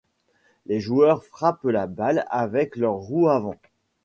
Les joueurs frappent la balle avec leurs roues avant.